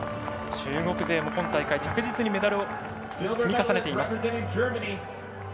中国勢も今大会、着実にメダルを積み重ねています。